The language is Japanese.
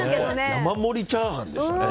山盛りチャーハンでしたね。